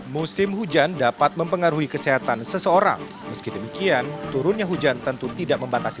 musim hujan dapat mempengaruhi kesehatan seseorang meski demikian turunnya hujan tentu tidak membatasi